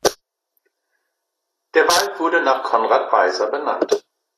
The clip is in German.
Der Wald wurde nach Conrad Weiser benannt.